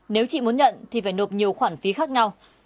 nếu chị muốn nhận thì phải nộp nhiều khoản phí khác nhau